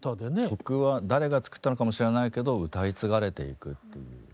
曲は誰が作ったのかも知らないけど歌い継がれていくっていう。